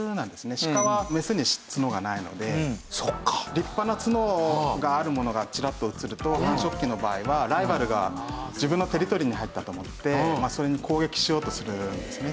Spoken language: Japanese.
立派な角があるものがチラッと映ると繁殖期の場合はライバルが自分のテリトリーに入ったと思ってそれに攻撃しようとするんですね。